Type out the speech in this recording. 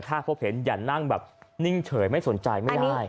ถ้าพบเห็นอย่านั่งแบบนิ่งเฉยไม่สนใจไม่ได้